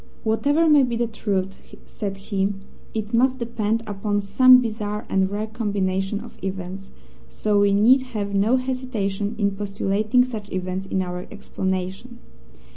"Whatever may be the truth," said he, "it must depend upon some bizarre and rare combination of events, so we need have no hesitation in postulating such events in our explanation.